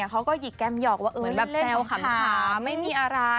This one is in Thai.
เขาก็หยิกแก้มหยอกว่าเล่นเขาขาไม่มีอะไร